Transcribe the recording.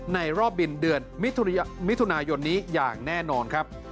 ในรอบบินเดือนมิถุนายนนี้อย่างแน่นอนครับ